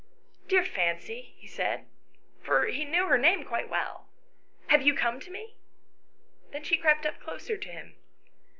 " Dear Fancy," he said, for he knew her name ' quite well, " have you come to me ?" Then she crept up closer to him.